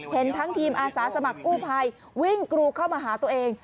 เห็นทั้งทีมอาสาสมัครกู้ภัยวิ่งกรูเข้ามาหาตัวเอง